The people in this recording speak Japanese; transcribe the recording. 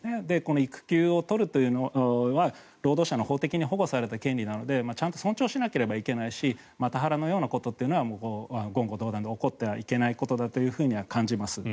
育休を取るというのは労働者の、法的に保護された権利なのでちゃんと尊重しなければいけないしマタハラのようなことは言語道断で起こってはいけないことだと感じます。